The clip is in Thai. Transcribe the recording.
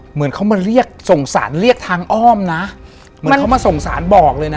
เหมือนเขามาเรียกสงสารเรียกทางอ้อมนะเหมือนเขามาส่งสารบอกเลยนะ